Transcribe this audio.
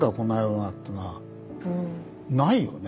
ないよね。